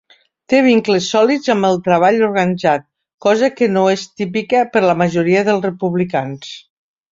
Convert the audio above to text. Té vincles sòlids amb el treball organitzat, cosa que no és típica per a la majoria dels republicans.